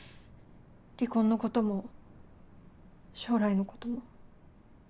離婚のことも将来のことも。